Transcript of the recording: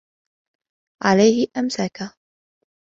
عَلَيْهِ أَمْسَكَ